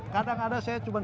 kadang kadang saya cekirkan